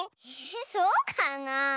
えそうかなあ？